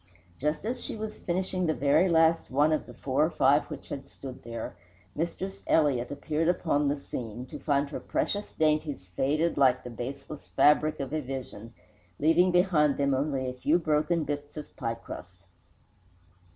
Just as she was finishing the very last one of the four or five which had stood there, Mistress Elliott appeared upon the scene, to find her precious dainties faded like the baseless fabric of a vision, leaving behind them only a few broken bits of pie crust.